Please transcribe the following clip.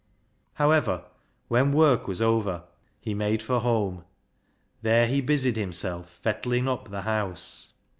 However, when work was over he made for home. There he busied himself " fettlin' up " the house.